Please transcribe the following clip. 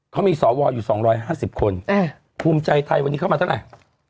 เขามีสวอยู่๒๕๐คนภูมิใจไทยวันนี้เข้ามาเท่าไหร่